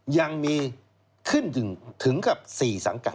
ยังมีขึ้นถึงกับ๔สังกัด